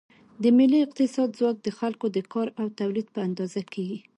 د ملي اقتصاد ځواک د خلکو د کار او تولید په اندازه کېږي.